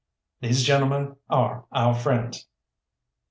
"These gentlemen are our friends."